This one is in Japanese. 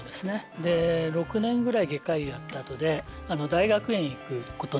で６年ぐらい外科医をやった後で大学院へ行くことになったんで